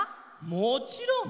もちろん！